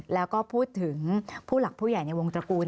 แล้วก็พูดถึงผู้หลักผู้ใหญ่ในวงตระกูล